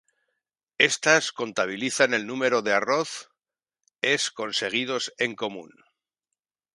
Estas contabilizan el número de arroz es conseguidos en común.